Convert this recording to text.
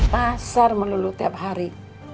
pasar melulu tiap hari